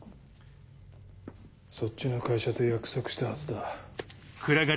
そっちの会社と約束したはずだ。